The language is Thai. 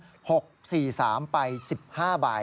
ถูกต้องยังมีต่ออีกคือซื้อเลขชุดรางวัลข้างเคียงอีก๓ล้านบาท